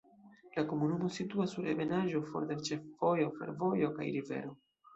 La komunumo situas sur ebenaĵo, for de ĉefvojo, fervojo kaj rivero.